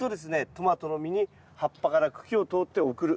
トマトの実に葉っぱから茎を通って送る。